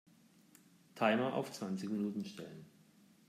Timer auf zwanzig Minuten stellen.